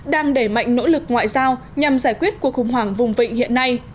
đang đẩy mạnh nỗ lực ngoại giao nhằm giải quyết cuộc khủng hoảng vùng vịnh hiện nay